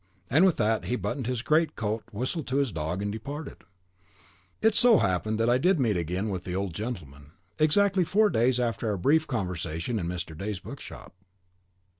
And with that he buttoned his greatcoat, whistled to his dog, and departed. It so happened that I did meet again with the old gentleman, exactly four days after our brief conversation in Mr. D 's bookshop.